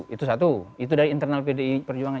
itu satu itu dari internal pdi perjuangan